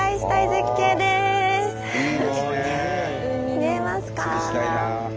見えますか？